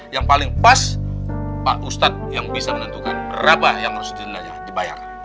yang paling pas pak ustadz yang bisa menentukan berapa yang harus dibayar